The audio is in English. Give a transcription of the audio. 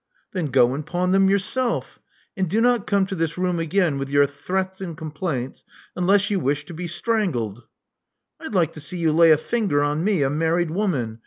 Then go and pawn them yourself. And do not come to this room again with your threats and complaints unless you wish to be strangled." I'd like to see you lay a finger on me, a married woman.